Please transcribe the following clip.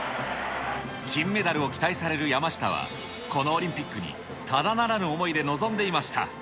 金メダルを期待される山下は、このオリンピックにただならぬ思いで臨んでいました。